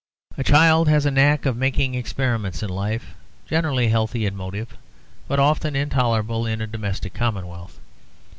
A child has a knack of making experiments in life, generally healthy in motive, but often intolerable in a domestic commonwealth.